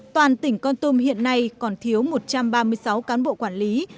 toàn tỉnh con tum hiện nay còn thiếu một trăm ba mươi sáu cán bộ quản lý